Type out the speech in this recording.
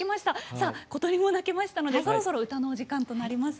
さあ小鳥も鳴きましたのでそろそろ歌のお時間となります。